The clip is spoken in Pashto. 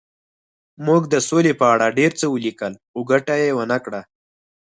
موږ د سولې په اړه ډېر څه ولیکل خو ګټه یې ونه کړه